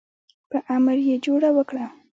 په امر یې جوړه وکړه.